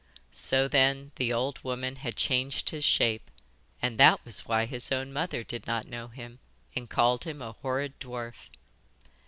So, then, the old woman had changed his shape, and that was why his own mother did not know him, and called him a horrid dwarf!